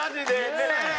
ねえ！